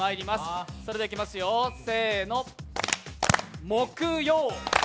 それではいきますよ、せーのもくよう。